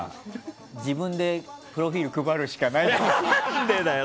自分でプロフィールを配るしかないと思う。